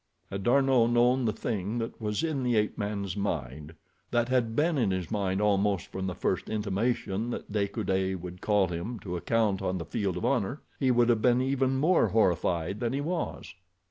Had D'Arnot known the thing that was in the ape man's mind—that had been in his mind almost from the first intimation that De Coude would call him to account on the field of honor—he would have been even more horrified than he was.